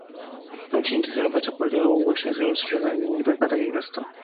영신은 두 손을 짝 벌리며 오금에 용수철이나 달린 듯이 발딱 일어섰다.